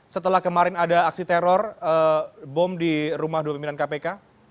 setelah kemarin ada aksi teror bom di rumah dua pimpinan kpk